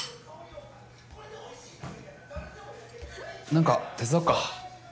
何か手伝おうか。